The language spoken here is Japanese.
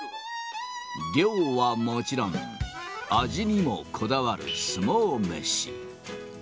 量はもちろん、味にもこだわる相撲メシ。